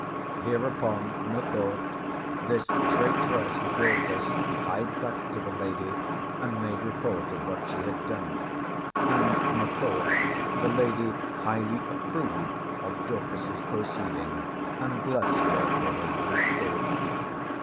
Hereupon, methought, this traitress Dorcas hied back to the lady, and made report of what she had done. And, methought, the lady highly approved of Dorcas's proceeding and blessed her for her good thought.